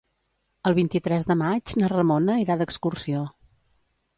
El vint-i-tres de maig na Ramona irà d'excursió.